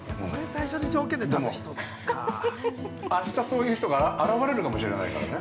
でも、あしたそういう人があらわれるかもしれないからね。